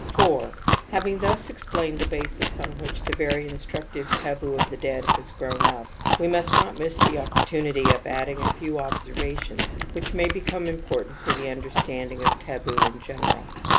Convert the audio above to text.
><• 4 Having thus explained the basis on which the very instructive taboo of the dead has grown up, we must not miss the opportunity of adding a few observations which may become important for the understanding of taboo in general.